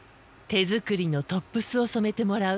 手作りのトップスを染めてもらう。